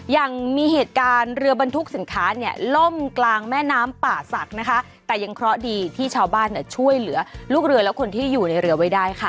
ยังมีเหตุการณ์เรือบรรทุกสินค้าเนี่ยล่มกลางแม่น้ำป่าศักดิ์นะคะแต่ยังเคราะห์ดีที่ชาวบ้านเนี่ยช่วยเหลือลูกเรือและคนที่อยู่ในเรือไว้ได้ค่ะ